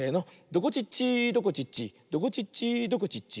「どこちっちどこちっちどこちっちどこちっち」